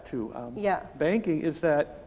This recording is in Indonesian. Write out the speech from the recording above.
dan bank adalah